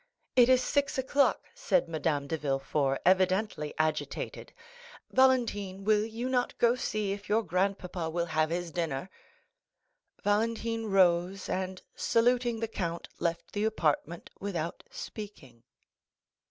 "It is six o'clock," said Madame de Villefort, evidently agitated. "Valentine, will you not go and see if your grandpapa will have his dinner?" Valentine rose, and saluting the count, left the apartment without speaking.